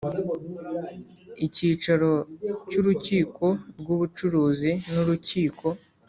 Icyicaro cy Urukiko rw Ubucuruzi n Urukiko